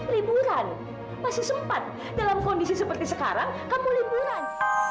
liburan masih sempat dalam kondisi seperti sekarang kamu liburan